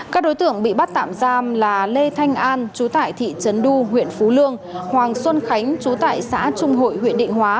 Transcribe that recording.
các đối tượng bị bắt tạm giam là lê thanh an chú tại thị trấn du huyện phú lương hoàng xuân khánh chú tại xã trung hội huyện định hóa